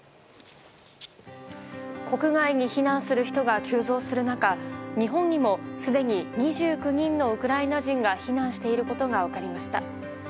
国外に避難する人が急増する中日本にも、すでに２９人のウクライナ人が避難していることが分かりました。